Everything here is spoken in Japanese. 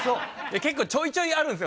結構ちょいちょいあるんですよ。